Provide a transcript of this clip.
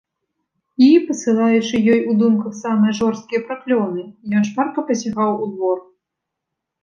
І, пасылаючы ёй у думках самыя жорсткія праклёны, ён шпарка пасягаў у двор.